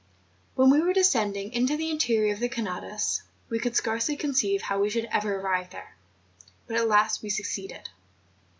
When we were descending into the interior of the Canadas we could scarcely conceive how we should ever arrive there; but at last we succeeded.